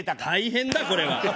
大変だこれは。